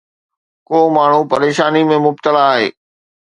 ڪو ماڻهو پريشاني ۾ مبتلا آهي